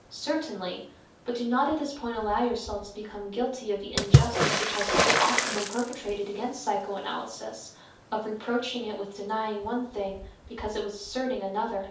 Certainly, but do not at this point allow yourselves to become guilty of the injustice which has so often been perpetrated against psychoanalysis, of reproaching it with denying one thing because it was asserting another.